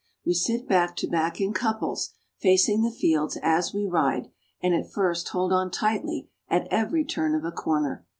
We sit back to back in couples, facing the fields as we ride, and at first hold on tightly at every turn of a corner.